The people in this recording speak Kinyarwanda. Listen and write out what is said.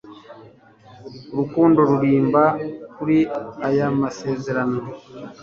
Urukundo ruririmba kuri aya masezerano